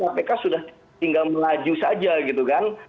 kpk sudah tinggal melaju saja gitu kan